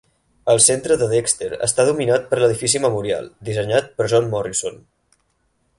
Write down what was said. El centre de Dexter està dominat per l'Edifici Memorial, dissenyat per John Morrison.